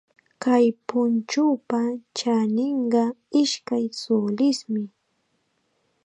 Kay punchupa chaninqa ishkay sulismi.